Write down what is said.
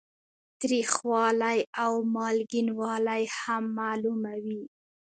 تریخوالی او مالګینوالی هم معلوموي.